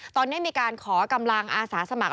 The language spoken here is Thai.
ตอนนี้มีการขอกำลังอาสาสมัคร